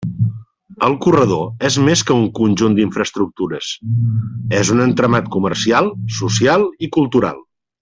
El corredor és més que un conjunt d'infraestructures: és un entramat comercial, social i cultural.